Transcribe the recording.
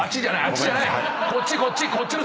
こっちこっち！